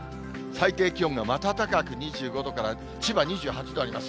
最低気温がまた高く、２５度から千葉２８度あります。